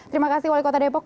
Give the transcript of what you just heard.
terima kasih wali kota depok